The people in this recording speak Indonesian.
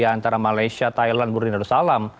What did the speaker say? antara malaysia thailand burundi nusa tenggara